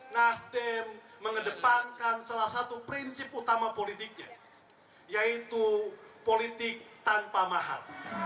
nasdem mengedepankan salah satu prinsip utama politiknya yaitu politik tanpa mahar